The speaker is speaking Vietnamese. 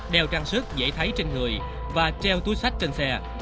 đeo trang sức dễ thấy trên người và treo túi sách trên xe